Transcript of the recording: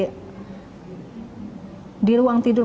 hadirin rumah penduduk